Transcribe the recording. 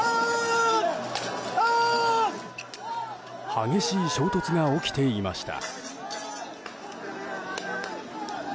激しい衝突が起きていました。